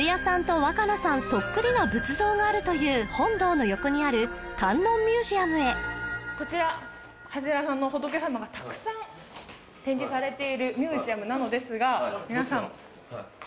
そしてがあるという本堂の横にある観音ミュージアムへこちら長谷寺さんの仏様がたくさん展示されているミュージアムなのですが皆さん